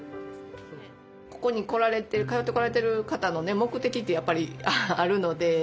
ここに来られてる通ってこられてる方のね目的ってやっぱりあるので。